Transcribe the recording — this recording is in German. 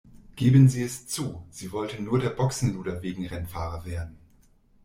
Geben Sie es zu, Sie wollten nur der Boxenluder wegen Rennfahrer werden!